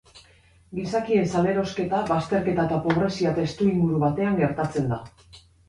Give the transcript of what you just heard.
Gizakien salerosketa bazterketa eta pobrezia testuinguru batean gertatzen da.